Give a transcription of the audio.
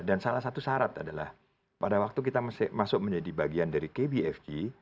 dan salah satu syarat adalah pada waktu kita masuk menjadi bagian dari kb fg